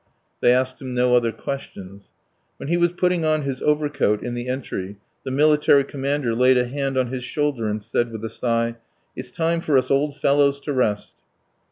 They asked him no other questions. When he was putting on his overcoat in the entry, the military commander laid a hand on his shoulder and said with a sigh: "It's time for us old fellows to rest!"